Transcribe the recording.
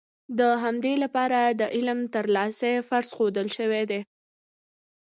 د همدې لپاره د علم ترلاسی فرض ښودل شوی دی.